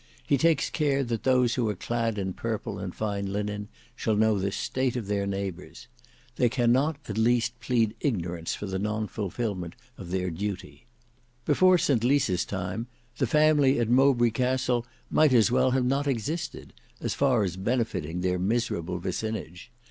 He takes care that those who are clad in purple and fine linen shall know the state of their neighbours. They cannot at least plead ignorance for the nonfulfilment of their duty. Before St Lys's time, the family at Mowbray Castle might as well have not existed, as far as benefiting their miserable vicinage.